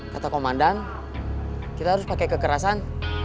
kata komandan kita harus pakai kekerasan